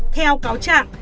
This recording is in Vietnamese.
theo cáo trạng